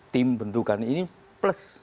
tim bentukan ini plus